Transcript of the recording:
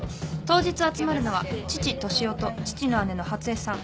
当日集まるのは父俊雄と父の姉の初枝さん